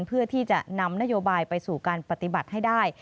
เพื่อที่จะนำนโยบายไปสู่การปฏิบัติให้ได้